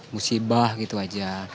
musibah gitu aja